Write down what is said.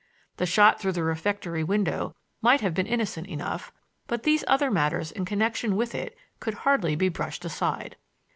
The shot through the refectory window might have been innocent enough; but these other matters in connection with it could hardly be brushed aside.